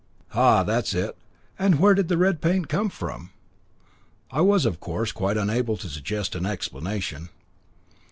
"Ah! that's it, and where did the red paint come from?" I was, of course, quite unable to suggest an explanation.